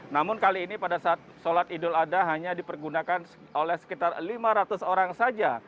namun kali ini pada saat sholat idul adha hanya dipergunakan oleh sekitar lima ratus orang saja